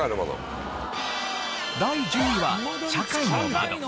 第１０位は社会の窓。